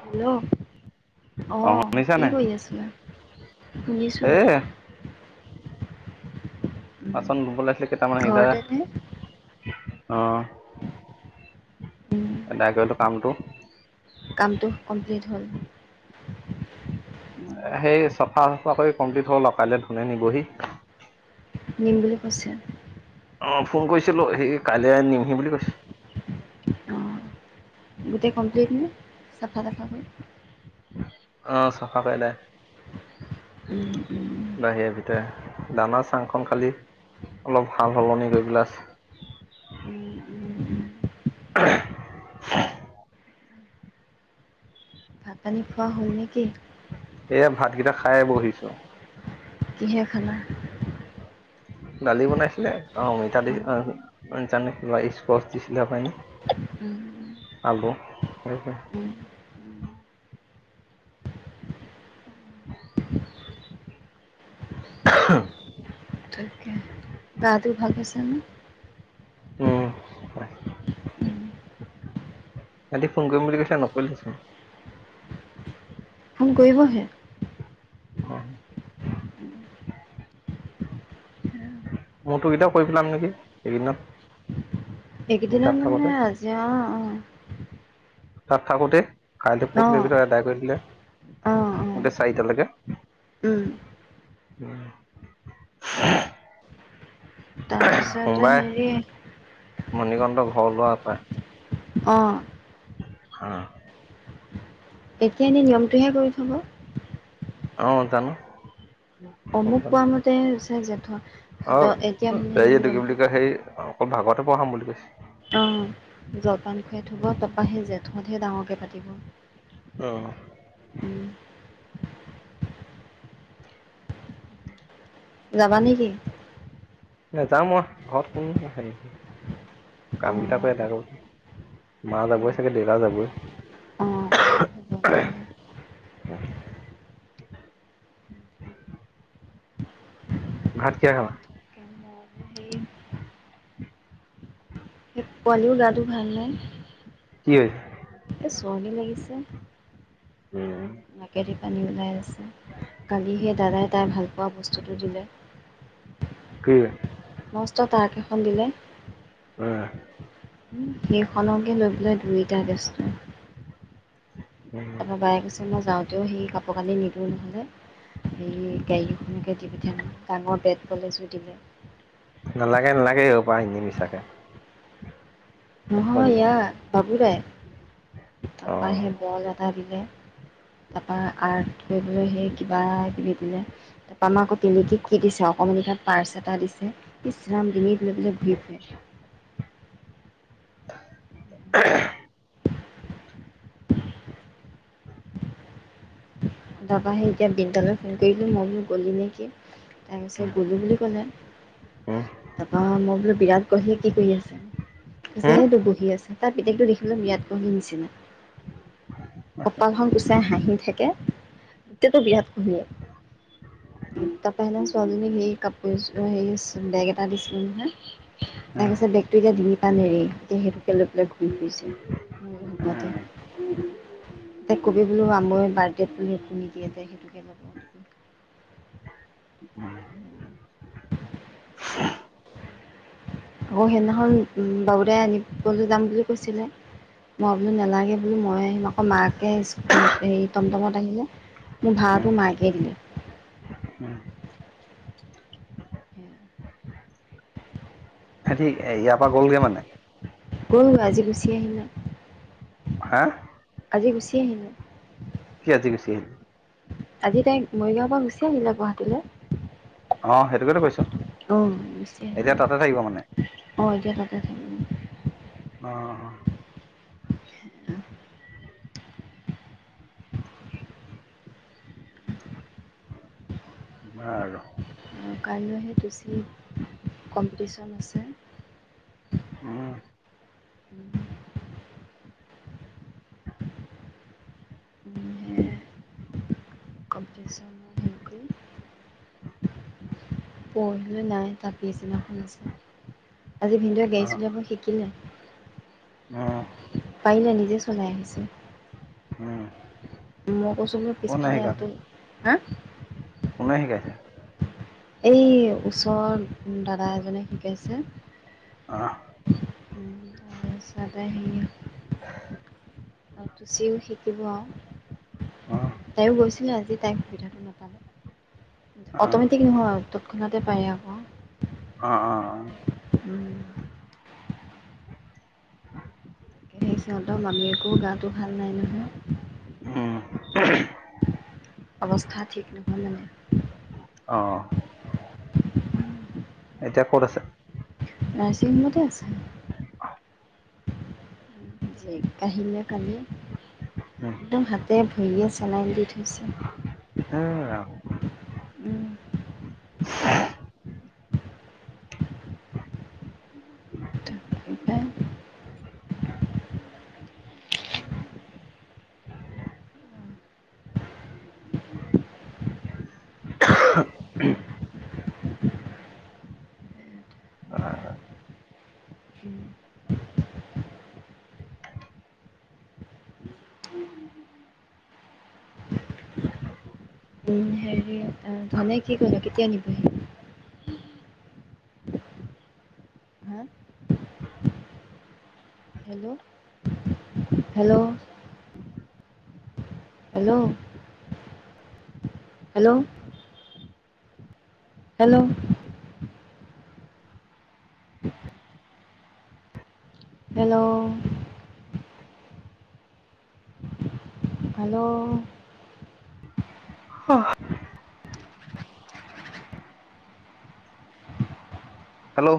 Hello অ অ শুনিছা কি নাই কৰি আছিলা শুনিছো এ বাচন ধুবলে আছিলে কেইটামান সিদা, ঘৰতে নে? অ উম! এদাই কৰিতো কামটো, ধল সেই চফা চফাকৈ কমপ্লিট হল কাইলৈ ধনে নিবহি নিম বুলি কৈছে অ ফোন কৰিছিলো সি কাইলৈ নিমহি বুলি কৈছে অঁ, গোটেই কমপ্লিট নে চফা টাফা হৈ অ চাফা কৰিলে উম, উম। নাহে ভিতায়, দানা চাংখন খালি অলপ সাল সলনি কৰি উম, উম, উম। পেলাই ভাত পানী খোৱা হ'ল নেকি? এয়া ভাতকেইটা খাইয়ে বহিছো কিহে খানা, দালি বনাইছিলে অ অঁ, মিতালী উম। হাম [unintelligible] উম। আব ত [unintelligible] উম, উম। [unintelligible] [unintelligible] তাকে, গাটো ভাল পাইছে নে? উম! উম, সিহঁতে ফোন কৰিম বুলি কৈছিলা নকৰিছোন। ফোন কৰিবহে, অ' [unintelligible] তুমি এইকেইদিনত তাত মানে থাকোতে আজি আহ অ' অ' তাত থাকোতে, খাইে পখ দায় কৰিছিলে অঁ, [unintelligible] অঁ, গোটেই চাৰিটালৈকে উম! [unintelligible] তাৰ পিছত হেৰি মণিকন্ধ ঘৰ লোৱা পায়। অঁ অ' এতিয়া এনেই নিয়মটোহে কৰি থ'ব। অ' তান অমুক কোৱা মতে হৈছে যে অ ধ এতিয়া মানে অম ক [unintelligible] ভাগবতে পঢ়াম বুলি কৈছে। অ' য [unintelligible] খুৱাই থব, তাৰপা জেঠতহে ডাঙৰকে পাতিব। অ'। উম, যাবা নেকি? নাজাও মই, ঘৰত কোনো, [unintelligible] কাম অঁ কেইটা, অঁ [unintelligible] মা যাবই চাগে, অঁ দেউতা যাবই অঁ হ'ব নহ'লে হেৰি ভাত কিহেৰে খালা? পোৱালিও গাটো ভাল নাই। কি হৈছে? এ, চৰ্দি লাগিছে। উম। নাকেদি পানী ওলাই আছে, কালিহে দাদাই তাই ভাল পোৱা বস্তুটো দিলে। কি? মষ্ট ট্ৰাক এখন দিলে। উম। সেইখনকে লৈ পেলাই দুয়োটা ব্যস্ত। [inaudible] তাৰপা বায়ে কৈছে, মই যাওঁতেও সেই কাপোৰ কানি নিদিওঁ নহ'লে হেৰি গাড়ী এখনকে পঠিয়ালে, ডাঙৰ বেট- বল এজোৰ দিলে। নালাগে নালাগে, এইহোপা এনেই মিছাকে। একো নহয় আনিব নালাগে ইয়াৰ বাবু দাই অ তাৰপৰা সেই বল এটা দিলে তাৰপৰা আৰ্ট কৰিবলৈ সেই কিবা কিবি দিলে ত আমাক তিলিকিক কি দিছে অকমাণিকা পাৰ্চ এটা দিছে ইচৰাম ডিঙিত। লৈ পেলাই ঘুৰি ফুৰে। [unintelligible] দাবাহে এতিয়া বৃন্দালৈ ফোন কৰিলো মই বোলো গ'লি নেকি? তাৰ পিছে গলো বুলি কলে, উম তাৰপৰা মই বোলো বিৰাট কোহলিয়ে কি কৰি আছে। কৈছে এইটো বহি আছে, তাৰ পিতেকটো দেখিবলে বিৰাট কোহলি [inaudible] কপালহ গুচাই হাই, আহি থাকে এইটাতো বিৰাত কোহলীয়ে [inaudible] ছোৱালীজনীক হেৰি কাপোৰ এযোৰ হেৰি বেগ এটা দিছিলো নহয়। তাৰপিছত বেগতটো এতিয়া দি পাম হেৰি এতিয়া সেইটো, [unintelligible] [inaudible] ত কবি বোলু আমাৰ বাৰ্ডেত বুলি তুমি দিয়া যে সেইটোকে লগ পা তুমি। উম আকৌ সেইদিনাখন বাবুদাই আনিবলৈ যাম বুলি কৈছিলে মই আনি নেলাগে বুলি মই আহিম আকৌ মাকে হেৰি টমটমত আহিলে মোৰ ভাটো মাইকে দিলে। উম [inaudible] ঠিক ইয়াৰ পৰা গ'লগে মানে, গ'লগৈ আজি গুচি আহিমে, হা আজি গুছি, [inaudible] আজি [inaudible] আজি তাইক মৰিগাঁও পৰা গুচি আহিলে গুৱাহাটীলৈ, আহ সেইটোতো কৈছো অঁ গুচি এতিয়া আহিলে তাতে থাকিব মানে অঁ এতিয়া তাতে থাকিম অ' [inaudible] কোৱা আৰু। কাইলৈও সেইটোচি কম্পিটিচ্যন আছে। আহ উম [inaudible] উম উ [inaudible] পঢ়িলে নে নাই ত পিছদিনাখন আছে। আজি ভিনন্দা গাড়ী অ চলাব শিকিলে। অ' পাৰিলে নিজে চলাই আহিছে। উম! মই কৈছো বুলো কোনে পিছফালে, শিকালে [unintelligible] হা। কোনে শিকাইছে? এই, ওচৰ দাদা এজনে শিকাইছে। অ'। তাৰপিছতে সে, তুচিও শিকিব আৰু, অ তাইওঁ গৈছিলো আজি তাইক সুবিধাটো নাপালে। অ অট'মেটিক নহয়, তৎক্ষণাতে পাৰে আকৌ। অ [unintelligible] উম। সেই সিহঁতৰ মামীয়েকো গাটো ভাল নাই নহয়। উম। অৱস্থা ঠিক নহয় মানে। অ'। এতিয়া ক'ত আছে? নাৰ্ছিং হোমতে আছে। জেগ কাহিলে কালি, উম একদম হাতে ভৰিয়ে চেলাইন দি থৈছে। এ ৰাম উম। [unintelligible] [inaudible] [unintelligible] [inaudible] [inaudible] উম, হেৰি অ' অ' ধনে কি কলো কেতিয়া নিবহি? হা [unintelligible] hello hello hello hello hello hello hello অ' হেল্ল'